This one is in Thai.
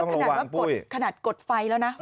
โอ้ต้องระวังปุ้ยแล้วขนาดกดไฟแล้วนะ